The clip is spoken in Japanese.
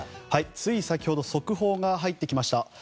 つい先ほど速報が入ってきました。